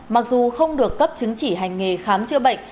mặc dù không được cấp chứng chỉ hành nghề khám chữa bệnh